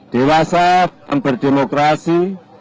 dewasa dalam berdemokrasi